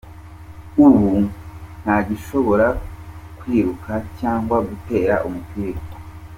Ubu ntagishobora kwiruka cyangwa gutera umupira.